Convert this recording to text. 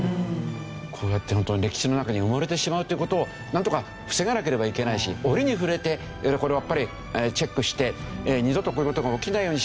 こうやって本当に歴史の中に埋もれてしまうっていう事をなんとか防がなければいけないし折に触れてこれはやっぱりチェックして二度とこういう事が起きないようにしようと。